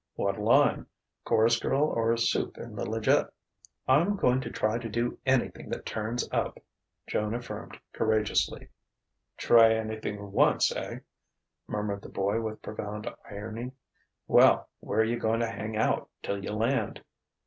"What line? Chorus girl or supe in the legit?" "I'm going to try to do anything that turns up," Joan affirmed courageously. "Try anythin' once, eh?" murmured the boy with profound irony. "Well, where you goin' to hang out till you land?"